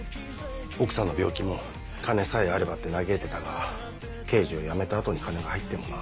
奥さんの病気も「金さえあれば」って嘆いてたが刑事を辞めた後に金が入ってもな。